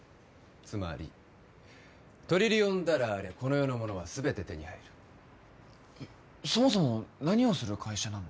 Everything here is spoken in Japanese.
つまりトリリオンダラーありゃこの世のものは全て手に入るそもそも何をする会社なの？